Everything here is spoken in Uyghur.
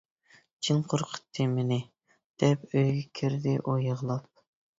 «جىن قورقۇتتى مېنى» دەپ، ئۆيگە كىردى ئۇ يىغلاپ.